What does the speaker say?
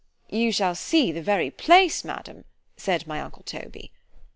—— ——You shall see the very place, Madam; said my uncle _Toby.